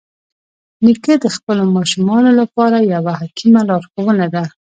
نیکه د خپلو ماشومانو لپاره یوه حکیمه لارښوونه ده.